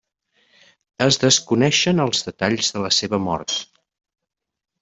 Es desconeixen els detalls de la seva mort.